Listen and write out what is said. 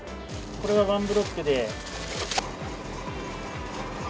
これはワンブロックで。